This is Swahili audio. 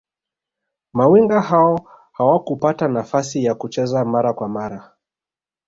mawinga hao hawakupata nafasi ya kucheza mara kwa mara